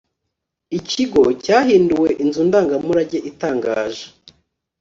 ikigo cyahinduwe inzu ndangamurage itangaje